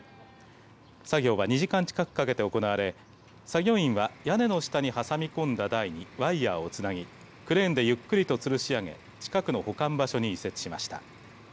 作業は２時間近くかけて行われ作業員は屋根の下に挟み込んだ台にワイヤーをつなぎクレーンでゆっくりとつるし上げ近くの保管場所に移設しました。